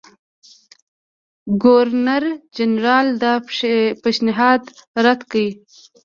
ګورنرجنرال دا پېشنهاد رد کړ.